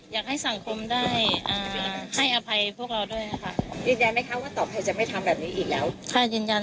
ไม่ได้เต็มใจมาไม่ได้มาด้วยความจริงใจ